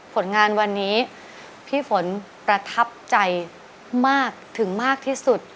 ผลงานวันนี้พี่ฝนประทับใจมากถึงมากที่สุด